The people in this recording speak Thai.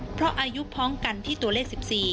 เพราะอายุพร้อมกันที่ตัวเลข๑๔